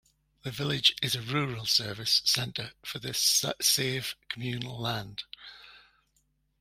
The village is a rural service centre for the Save communal land.